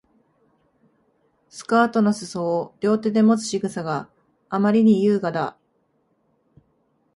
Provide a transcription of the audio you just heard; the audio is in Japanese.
スカートの裾を両手でもつ仕草があまりに優雅だ